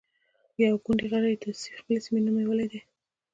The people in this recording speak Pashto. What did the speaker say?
يوه ګوندي غړې د خپلې سيمې نومولې ده.